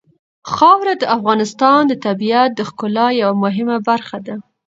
خاوره د افغانستان د طبیعت د ښکلا یوه مهمه برخه ده.